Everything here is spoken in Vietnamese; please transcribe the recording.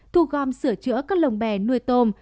thu gom sửa chữa các lồng bè nuôi tôm